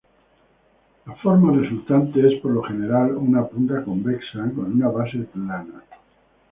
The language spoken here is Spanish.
La forma resultante es por lo general una punta convexa con una base plana.